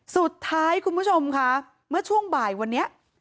คุณผู้ชมค่ะเมื่อช่วงบ่ายวันนี้